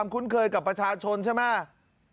คุ้นเคยกับประชาชนใช่ไหม